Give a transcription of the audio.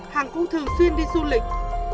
hằng cũng thường xuyên đi du lịch